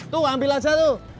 tuh ambil aja tuh